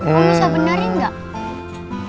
om bisa benerin gak